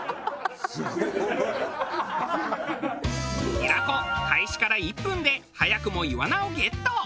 平子開始から１分で早くもイワナをゲット！